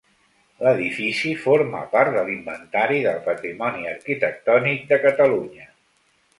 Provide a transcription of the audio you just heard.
L'edifici forma part de l'Inventari del Patrimoni Arquitectònic de Catalunya.